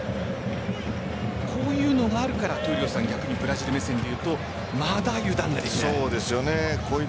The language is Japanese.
こういうのがあるから闘莉王さん逆にブラジル目線で言うとまだ油断ができない。